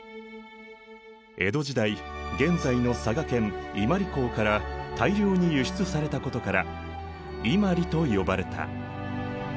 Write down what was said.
江戸時代現在の佐賀県伊万里港から大量に輸出されたことから「Ｉｍａｒｉ」と呼ばれた。